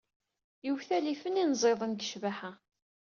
Iwtal ifen inẓiden deg ccbaḥa?